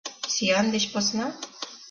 Сӱан деч посна?